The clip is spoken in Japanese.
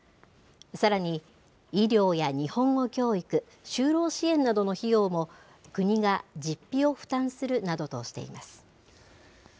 さらに、医療や日本語教育、就労支援などの費用も、国が実費を負担するなどとしています。